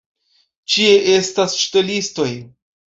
Ĉie estas ŝtelistoj.